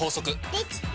できた！